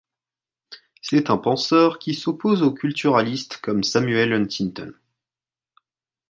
C'est un penseur qui s'oppose aux culturalistes comme Samuel Huntington.